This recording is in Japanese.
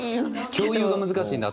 共有が難しいんだ？